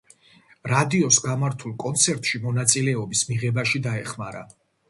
რადიოს გამართულ კონცერტში მონაწილეობის მიღებაში დაეხმარა.